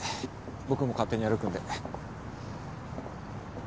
僕も勝手に歩くんで。